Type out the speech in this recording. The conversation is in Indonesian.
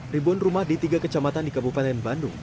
ribuan rumah di tiga kecamatan di kabupaten bandung